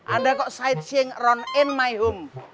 anda kok sising di rumah saya